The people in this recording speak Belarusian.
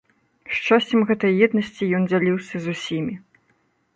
Шчасцем гэтай еднасці ён дзяліўся з усімі.